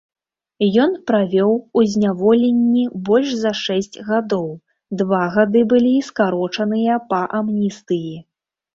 Ён правёў у зняволенні больш за шэсць гадоў, два гады былі скарочаныя па амністыі.